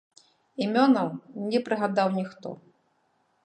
Імёнаў не прыгадаў ніхто.